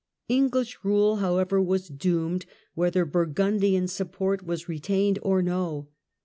EngHsh rule, however, was doomed, whether Bur gundian support was retained or no.